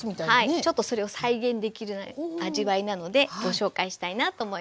ちょっとそれを再現できる味わいなのでご紹介したいなと思います。